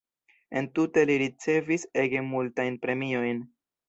Entute li ricevis ege multajn premiojn.